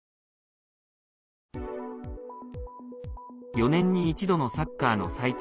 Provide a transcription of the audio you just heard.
４年に一度のサッカーの祭典